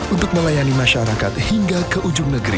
untuk melayani masyarakat hingga ke ujung negeri